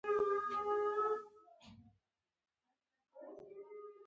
ایا زه باید د ام جوس وڅښم؟